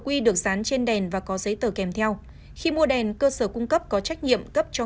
quy được dán trên đèn và có giấy tờ kèm theo khi mua đèn cơ sở cung cấp có trách nhiệm cấp cho